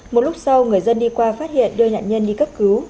một lúc sau người dân đi qua phát hiện đưa nạn nhân đi cấp cứu